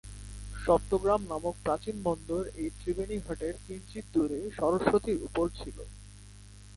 সপ্তগ্রাম নামক প্রাচীন বন্দর এই ত্রিবেণী ঘাটের কিঞ্চিৎ দূরেই সরস্বতীর উপর ছিল।